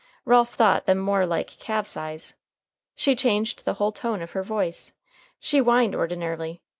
Ralph thought them more like calf's eyes. She changed the whole tone of her voice. She whined ordinarily.